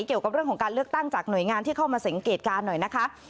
เกี่ยวกับเรื่องของการเลือกตั้งจากหน่วยงานที่เข้ามาสังเกตการณ์หน่อยนะคะ